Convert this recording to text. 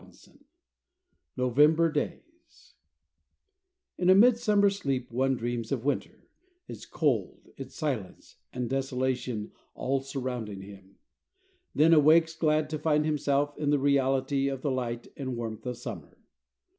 XL NOVEMBER DAYS In a midsummer sleep one dreams of winter, its cold, its silence and desolation all surrounding him; then awakes, glad to find himself in the reality of the light and warmth of summer.